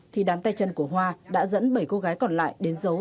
thì đám tay chân của hoa đã dẫn bảy cô gái còn lại đến giấu